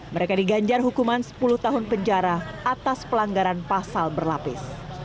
mereka diganjar hukuman sepuluh tahun penjara atas pelanggaran pasal berlapis